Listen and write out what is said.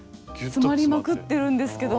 詰まりまくってるんですけども。